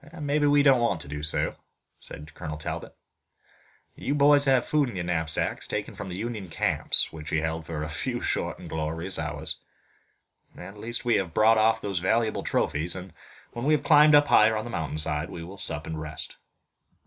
"Maybe we don't want to do so," said Colonel Talbot. "You boys have food in your knapsacks, taken from the Union camps, which we held for a few short and glorious hours. At least we have brought off those valuable trophies, and, when we have climbed higher up the mountain side, we will sup and rest."